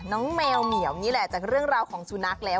แมวเหมียวนี่แหละจากเรื่องราวของสุนัขแล้ว